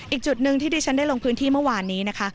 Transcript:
อีกจุดหนึ่งที่ดิฉันได้ลงพื้นที่เมื่อวานนี้นะคะ